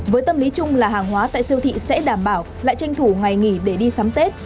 với tâm lý chung là hàng hóa tại siêu thị sẽ đảm bảo lại tranh thủ ngày nghỉ để đi sắm tết